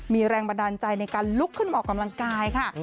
มีแรงบันดาลใจในการลุกขึ้นออกกำลังกายค่ะ